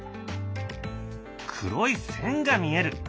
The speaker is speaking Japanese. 黒い線が見える。